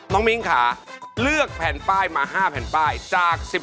น้องมิงค่าเลือกแผ่นป้ายมา๕แผ่นป้ายจาก